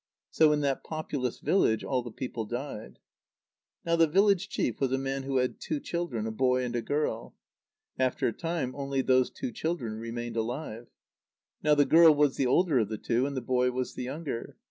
So in that populous village all the people died. Now the village chief was a man who had two children, a boy and a girl. After a time, only those two children remained alive. Now the girl was the older of the two, and the boy was the younger.